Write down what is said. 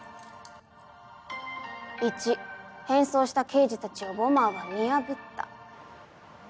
１変装した刑事たちをボマーは見破った。